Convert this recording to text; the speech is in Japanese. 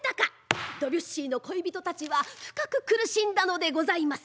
ドビュッシーの恋人たちは深く苦しんだのでございます。